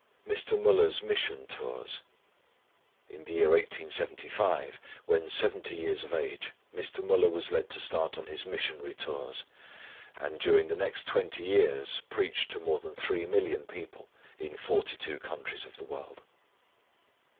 MR. MÜLLER'S MISSION TOURS. In the year 1875, when seventy years of age, Mr. Müller was led to start on his Missionary Tours, and during the next twenty years preached to more than three million people, in forty two countries of the world.